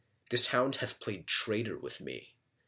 This hound hath played the traitor with me."